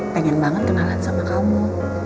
pengen banget kenalan sama kamu